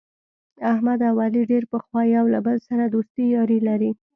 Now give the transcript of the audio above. احمد او علي ډېر پخوا یو له بل سره دوستي یاري لري.